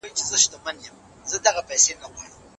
ملاريا او نمونيا کيدای شي